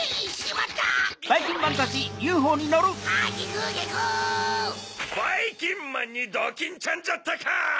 ばいきんまんにドキンちゃんじゃったか！